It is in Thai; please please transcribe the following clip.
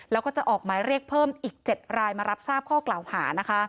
แล้วก็จะออกหมายเรียกเพิ่มอีก๗รายมารับทราบข้อกล่าวหานะคะ